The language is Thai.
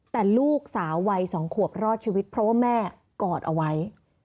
แต่ลูกสาววัย๒ขวบรอดชีวิตเพราะว่าแม่กอดเอาไว้